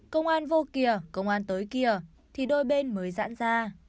công an vô kìa công an tới kìa thì đôi bên mới dãn ra